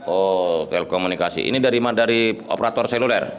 oh telekomunikasi ini dari operator seluler